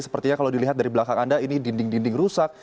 sepertinya kalau dilihat dari belakang anda ini dinding dinding rusak